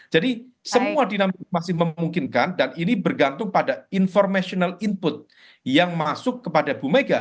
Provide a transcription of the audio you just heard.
jadi semua dinamik masih memungkinkan dan ini bergantung pada informational input yang masuk kepada bu mega